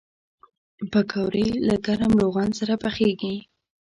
پکورې له ګرم روغن سره پخېږي